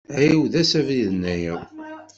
Ɛiwed-as abrid-nnayeḍ.